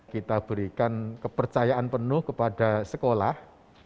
kita berikan kepercayaan penuh kepada sekolah